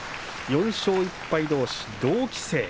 ４勝１敗どうし同期生。